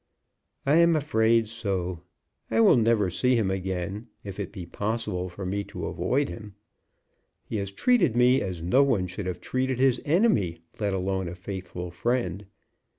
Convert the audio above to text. "I am afraid so. I will never see him again, if it be possible for me to avoid him. He has treated me as no one should have treated his enemy, let alone a faithful friend.